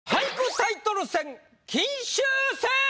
タイトル戦・金秋戦！